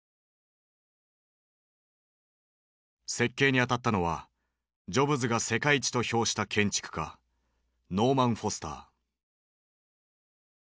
設計に当たったのはジョブズが世界一と評した建築家ノーマン・フォスター。